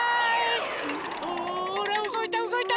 ほらうごいたうごいた！